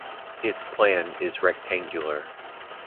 Its plan is rectangular.